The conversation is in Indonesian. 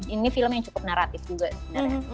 ini film yang cukup naratif juga sebenarnya